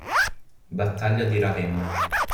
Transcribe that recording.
Battaglia di Ravenna